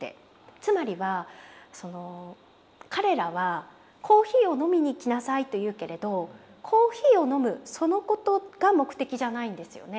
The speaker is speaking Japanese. つまりは彼らはコーヒーを飲みに来なさいと言うけれどコーヒーを飲むそのことが目的じゃないんですよね。